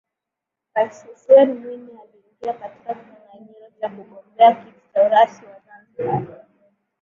Rais Hussein Mwinyi aliingia katika kinyanganyiro Cha kugombea kiti cha urais wa Zanzibar